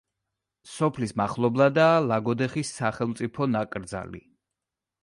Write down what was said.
სოფლის მახლობლადაა ლაგოდეხის სახელმწიფო ნაკრძალი.